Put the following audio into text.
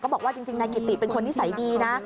บอกว่าจริงนายกิติเป็นคนนิสัยดีนะ